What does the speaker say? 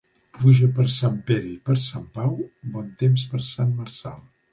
Pluja per Sant Pere i per Sant Pau, bon temps per Sant Marçal.